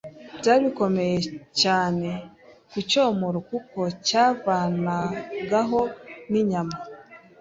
byari bikomeye cyane kucyomora kuko cyavanagaho n’inyama,